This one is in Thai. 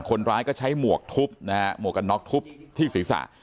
คนร้ายก็ใช้หมวกทุบนะฮะหมวกกันน็อกทุบที่ศีรษะ